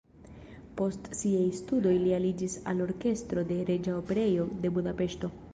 Post siaj studoj li aliĝis al orkestro de Reĝa Operejo de Budapeŝto.